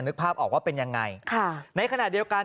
นึกภาพออกว่าเป็นยังไงค่ะในขณะเดียวกัน